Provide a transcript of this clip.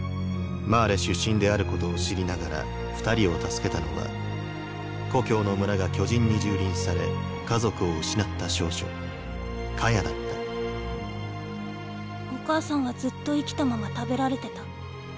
マーレ出身であることを知りながら二人を助けたのは故郷の村が巨人に蹂躙され家族を失った少女カヤだったお母さんはずっと生きたまま食べられてた。